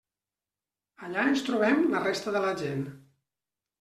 Allà ens trobem la resta de la gent.